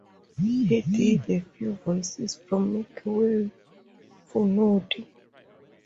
He did a few voices from "Make Way for Noddy".